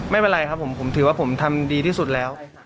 ไม่เป็นไรครับผมผมถือว่าผมทำดีที่สุดแล้ว